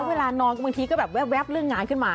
เวลานอนบางทีก็แบบแว๊บเรื่องงานขึ้นมา